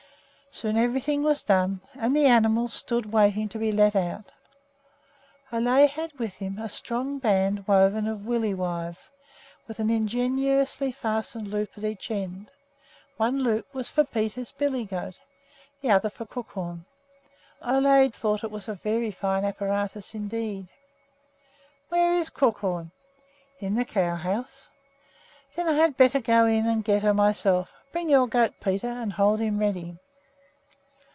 Soon everything was done, and the animals stood waiting to be let out. Ole had with him a strong band woven of willow withes, with an ingeniously fastened loop at each end. One loop was for Peter's billy goat, the other for Crookhorn. Ole thought it was a very fine apparatus indeed. "Where is Crookhorn?" "In the cow house." "Then I had better go in and get her myself. Bring your goat, Peter, and hold him ready."